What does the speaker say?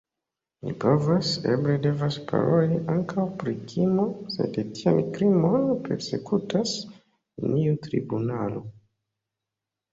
Ni povas, eble devas paroli ankaŭ pri krimo, sed tian krimon persekutas neniu tribunalo.